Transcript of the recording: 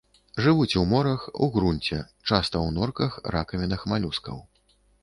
Жывуць у морах, у грунце, часта ў норках, ракавінах малюскаў.